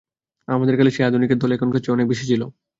আমাদের কালে সেই আধুনিকের দল এখনকার চেয়ে অনেক বেশি ছিল।